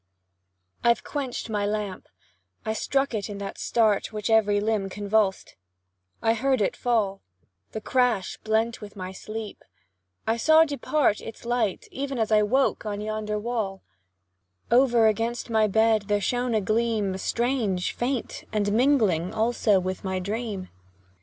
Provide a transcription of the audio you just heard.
I've quench'd my lamp, I struck it in that start Which every limb convulsed, I heard it fall The crash blent with my sleep, I saw depart Its light, even as I woke, on yonder wall; Over against my bed, there shone a gleam Strange, faint, and mingling also with my dream.